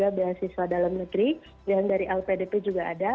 ada beasiswa dalam negeri dan dari lpdp juga ada